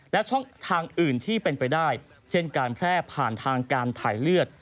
และช่องทางอื่นที่เป็นไปได้เช่นการแพร่ผ่านทางการถ่ายเลือด